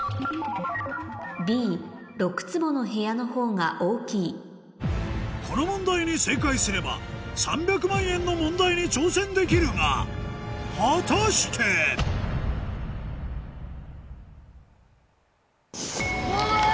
６坪の部屋の方が大きいこの問題に正解すれば３００万円の問題に挑戦できるが果たして⁉お！